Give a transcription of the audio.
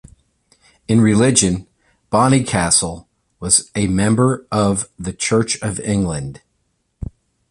In religion, Bonnycastle was a member of the Church of England.